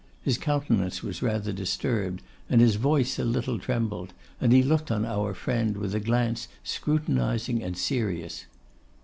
His countenance was rather disturbed, and his voice a little trembled, and he looked on our friend with a glance scrutinising and serious.